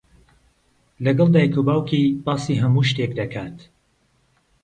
لەگەڵ دایک و باوکی باسی هەموو شتێک دەکات.